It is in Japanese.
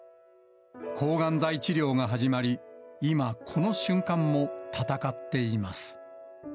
抗がん剤治療が始まり、今、この瞬間も闘っています。